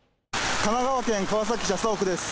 神奈川県川崎市麻生区です。